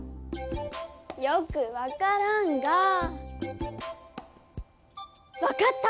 よくわからんがわかった！